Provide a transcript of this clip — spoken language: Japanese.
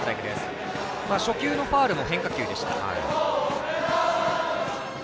初球のファウルも変化球でした。